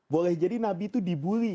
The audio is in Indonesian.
boleh jadi nabi itu dibully